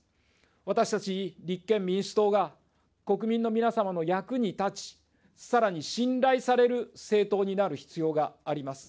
私たち立憲民主党が国民の皆様の役に立ち、さらに信頼される政党になる必要があります。